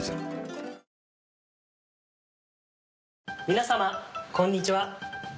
皆様こんにちは。